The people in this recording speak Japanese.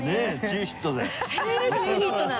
中ヒットな？